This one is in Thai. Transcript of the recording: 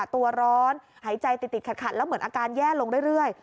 ตัวร้อนหายใจติดขัดแล้วเหมือนอาการแย่ลงเรื่อย